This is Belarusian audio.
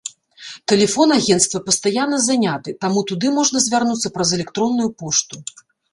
Тэлефон агенцтва пастаянна заняты, таму туды можна звярнуцца праз электронную пошту.